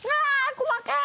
細かい！